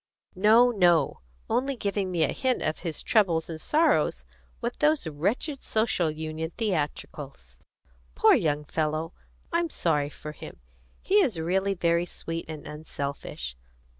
"No, no! Only giving me a hint of his troubles and sorrows with those wretched Social Union theatricals. Poor young fellow! I'm sorry for him. He is really very sweet and unselfish.